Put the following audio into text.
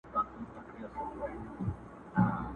خلك پوه سول چي خبره د قسمت ده!.